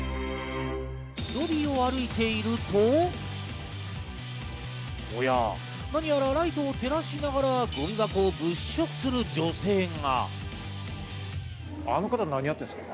ロビーを歩いていると、なにやらライトを照らしながら、ゴミ箱を物色する女性が。